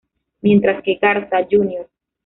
Mientras que Garza Jr.